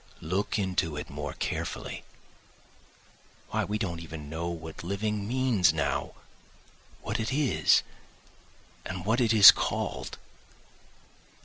Look into it more carefully! Why, we don't even know what living means now, what it is, and what it is called?